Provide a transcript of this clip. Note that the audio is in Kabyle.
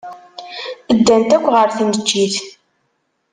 Ddant akk ɣer tneččit.